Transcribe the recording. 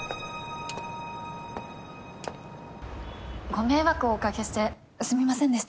ご迷惑をおかけしてすみませんでした。